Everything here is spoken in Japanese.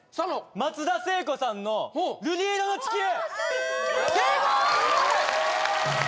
松田聖子さんの「瑠璃色の地球」正解！よっしゃ！